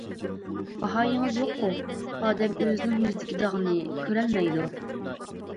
باھايىڭىز يوققۇ؟ ئادەم ئۆزىنىڭ يۈزىدىكى داغنى كۆرەلمەيدۇ.